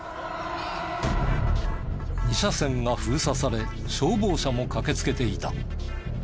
二車線が封鎖され消防車も駆けつけていた。